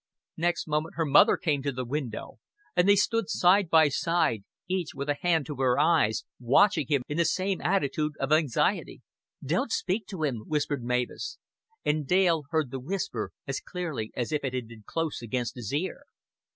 Next moment her mother came to the window; and they stood side by side, each with a hand to her eyes, watching him in the same attitude of anxiety. "Don't speak to him," whispered Mavis; and Dale heard the whisper as clearly as if it had been close against his ear.